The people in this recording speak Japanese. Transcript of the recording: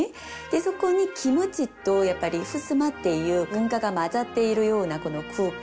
そこに「キムチ」と「ふすま」っていう文化が混ざっているようなこの空間。